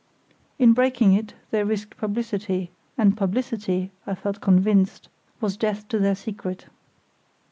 In breaking it they risked publicity, and publicity, I felt convinced, was death to their secret.